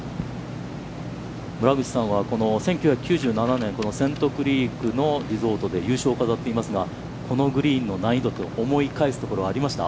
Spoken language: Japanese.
村口さんは、１９９７年、このセントクリークのリゾートで優勝を飾っていますが、このグリーンの難易度、思いかえすところはありますか？